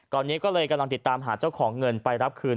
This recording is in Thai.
ตอนนี้ก็เลยกำลังติดตามหาเจ้าของเงินไปรับคืน